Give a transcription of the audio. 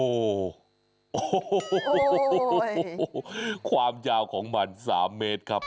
โอ้โหความยาวของมัน๓เมตรครับ